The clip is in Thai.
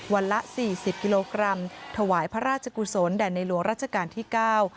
ละสี่สิบกิโลกรัมถวายพระราชกุศลแด่ในหลวงราชการที่เก้า